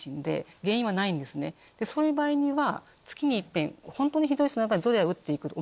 そういう場合には。